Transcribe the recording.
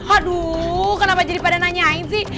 waduh kenapa jadi pada nanyain sih